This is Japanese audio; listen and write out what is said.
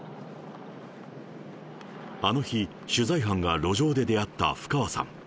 あの日、取材班が路上で出会った布川さん。